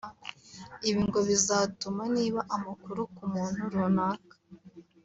Ibi ngo bizatuma niba amakuru ku muntu runaka